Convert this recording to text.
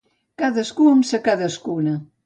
Cadascú amb sa cadascuna.